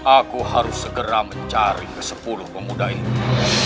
aku harus segera mencari kesepuluh pemuda ini